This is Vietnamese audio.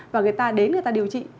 và người ta đến người ta điều trị